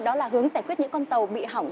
đó là hướng giải quyết những con tàu bị hỏng